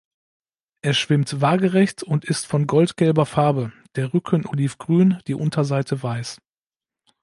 Er schwimmt waagerecht und ist von goldgelber Farbe, der Rücken olivgrün, die Unterseite weiß.